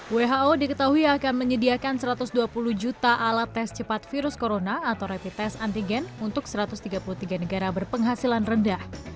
who diketahui akan menyediakan satu ratus dua puluh juta alat tes cepat virus corona atau rapid test antigen untuk satu ratus tiga puluh tiga negara berpenghasilan rendah